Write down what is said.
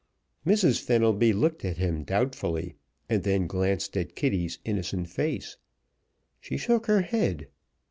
Mrs. Fenelby looked at him doubtfully, and then glanced at Kitty's innocent face. She shook her head.